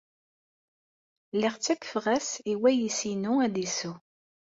Lliɣ ttakfeɣ-as i wayis-inu ad isew.